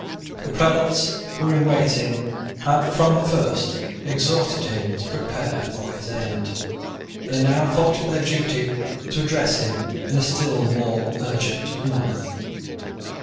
The prelates who were in waiting had from the first exhorted him to prepare for his end. They now thought it their duty to address him in a still more urgent manner.